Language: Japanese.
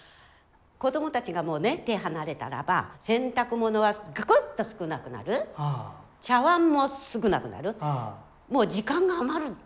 子どもたちがもうね手離れたらば洗濯物はガクッと少なくなる茶わんも少なくなるもう時間が余る。